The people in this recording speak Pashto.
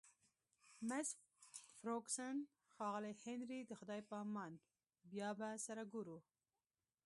مس فرګوسن: ښاغلی هنري، د خدای په امان، بیا به سره ګورو.